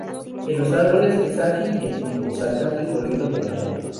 En los árboles es ágil y activo, saltando y corriendo por las ramas.